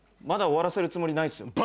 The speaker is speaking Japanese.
まだ終わらせるつもりないです。